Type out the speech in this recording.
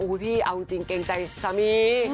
พี่เอาจริงเกรงใจสามี